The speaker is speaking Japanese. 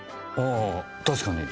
あぁ確かに。